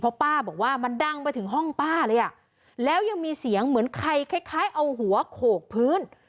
เพราะป้าบอกว่ามันดังไปถึงห้องป้าเลยอ่ะแล้วยังมีเสียงเหมือนใครคล้ายคล้ายเอาหัวโขกพื้น